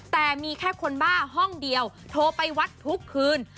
แต่มีแค่คนบ้าห้องเดียวโทรไปวัดทุกคืน